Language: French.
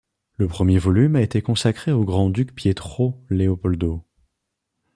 Le premier volume a été consacré au grand-duc Pietro Leopoldo.